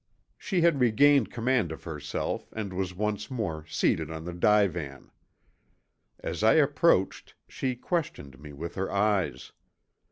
She had regained command of herself and was once more seated on the divan. As I approached she questioned me with her eyes.